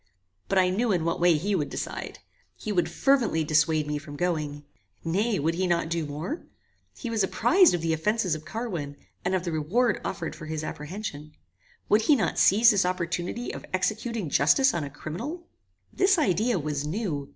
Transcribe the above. But I knew in what way he would decide. He would fervently dissuade me from going. Nay, would he not do more? He was apprized of the offences of Carwin, and of the reward offered for his apprehension. Would he not seize this opportunity of executing justice on a criminal? This idea was new.